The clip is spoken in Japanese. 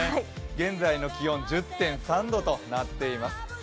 現在の気温１０．３度となっています。